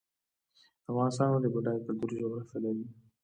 افغانستان ولې بډایه کلتوري جغرافیه لري؟